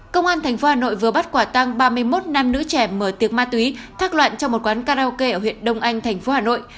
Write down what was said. công an tp hà nội vừa bắt quả tăng ba mươi một nam nữ trẻ mở tiệc ma túy thác loạn trong một quán karaoke ở huyện đông anh tp hà nội